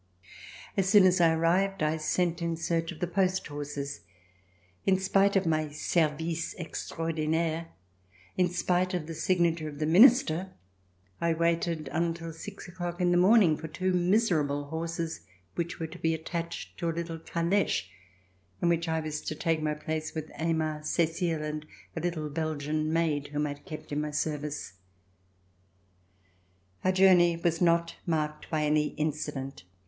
As soon as I arrived I sent in search of the post horses. In spite of my service extraordinaire, in spite of the signature of the Minister, I waited until six o'clock in the morning for two miserable horses which were to be attached to a little caleche in which I was to take my place with Aymar, Cecile and a little Belgian maid whom I had kept in my service. Our journey was not marked by any incident.